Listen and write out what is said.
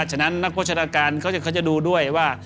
ฉะนั้นนักโภชนาการเขาจะดูด้วยว่า